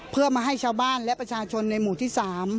เพื่อมาให้ชาวบ้านและประชาชนในหมู่ที่๓